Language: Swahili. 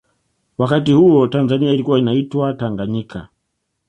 wakati huo tanzania ilikua inaitwa tanganyika